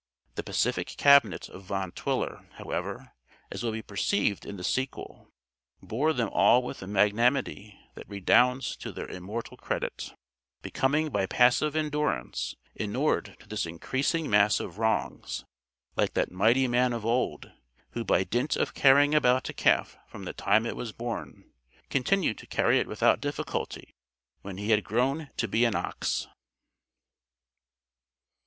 The pacific cabinet of Van Twiller, however, as will be perceived in the sequel, bore them all with a magnanimity that redounds to their immortal credit, becoming by passive endurance inured to this increasing mass of wrongs, like that mighty man of old, who by dint of carrying about a calf from the time it was born, continued to carry it without difficulty when he had grown to be an ox.